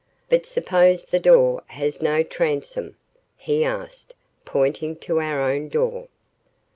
"But suppose the door has no transom?" he asked, pointing to our own door.